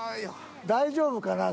大丈夫かな？